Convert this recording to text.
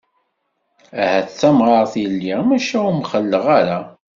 Ahat d tamɣart i lliɣ, maca ur mxelleɣ ara.